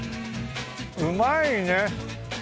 うまいね！